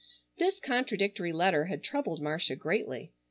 This contradictory letter had troubled Marcia greatly.